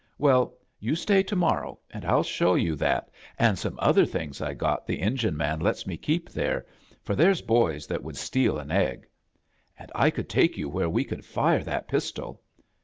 Well, you stay to morrow an* m show you that an' some other things I got the engine man lets me keep there, for there's boys that would steal an egg. An' I could take you where we could fire that pistol.